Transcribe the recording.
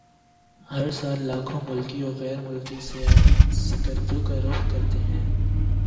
ہر سال لاکھوں ملکی وغیر ملکی سیاح سکردو کا رخ کرتے ہیں